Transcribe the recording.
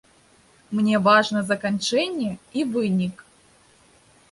Мне важна заканчэнне і вынік.